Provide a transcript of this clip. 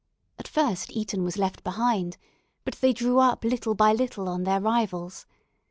At first Eton was left behind, but they drew up little by little on their rivals.